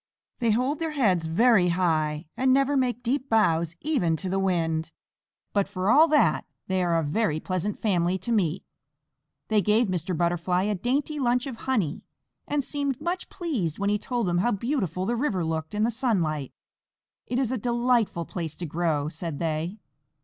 They hold their heads very high, and never make deep bows, even to the wind, but for all that they are a very pleasant family to meet. They gave Mr. Butterfly a dainty lunch of honey, and seemed much pleased when he told them how beautiful the river looked in the sunlight. "It is a delightful place to grow," said they.